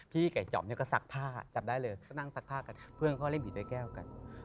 พี่ไก่จอมเนี่ยก็ซักผ้าจับได้เลยก็นั่งซักผ้ากันเพื่อนก็เล่นผีด้วยแก้วกัน